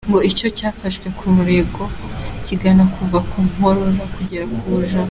Ngo iyo cyafashe umurego kingana no kuva mu nkokora kugera mu bujana’.